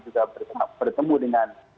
juga bertemu dengan